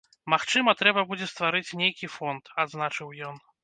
Магчыма, трэба будзе стварыць нейкі фонд, адзначыў ён.